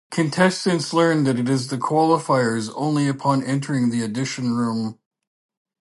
Contestants learn that it is the Qualifiers only upon entering the audition room.